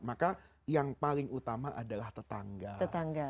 maka yang paling yang diutamakan adalah orang yang tidak makan daging ya semakin afdol